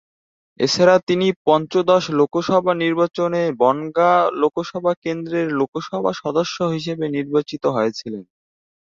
এছাড়া, তিনি পঞ্চদশ লোকসভা নির্বাচনে বনগাঁ লোকসভা কেন্দ্রের লোকসভা সদস্য হিসেবে নির্বাচিত হয়েছিলেন।